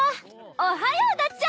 おはようだっちゃ！